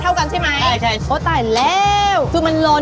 เอากุ้งไปรวกต้มก่อน